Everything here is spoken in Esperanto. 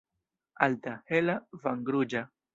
Alta, hela, vangruĝa.